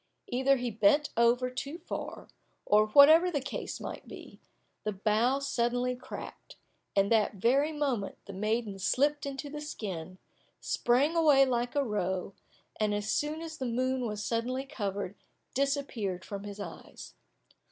Either he bent over too far, or whatever the cause might be, the bough suddenly cracked, and that very moment the maiden slipped into the skin, sprang away like a roe, and as the moon was suddenly covered, disappeared from his eyes.